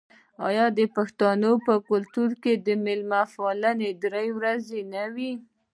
آیا د پښتنو په کلتور کې د میلمه پالنه درې ورځې نه وي؟